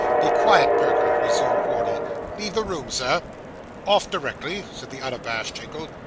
'Be quiet, Perker,' resumed Wardle. 'Leave the room, Sir.' 'Off directly,' said the unabashed Jingle.